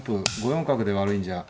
５四角で悪いんじゃ。